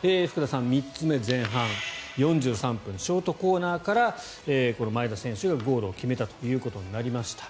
福田さん、３つ目、前半４３分、ショートコーナーから前田選手が、ゴールを決めたということになりました。